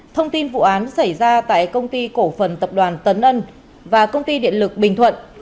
thông tin vụ án xảy ra tại công ty cổ phần tập đoàn tấn ân và công ty điện lực bình thuận